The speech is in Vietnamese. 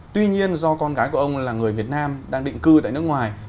tuy nhiên do con gái của ông là người việt nam đang định cư tại nước ngoài